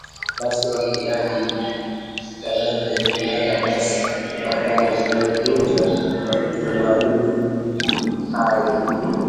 basi wakiahidi daraja imara basi watayavunja matumaini hayo